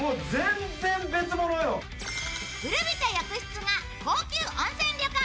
古びた浴室が高級温泉旅館